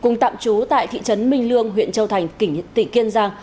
nguyễn minh lương huyện châu thành tỉnh kiên giang